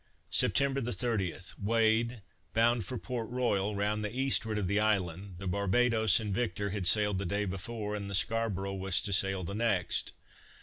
September the 30th weighed; bound for Port Royal, round the eastward of the island; the Bardadoes and Victor had sailed the day before, and the Scarborough was to sail the next.